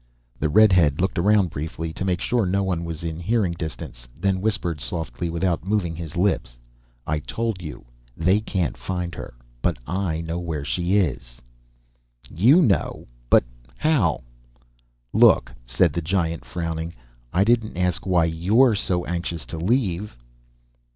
The redhead looked around briefly to make sure no one was in hearing distance, then whispered softly, without moving his lips. "I told you, they can't find her, but I know where she is." "You know? But how " "Look," said the giant, frowning, "I didn't ask you why you're so anxious to leave."